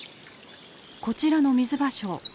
こちらのミズバショウ。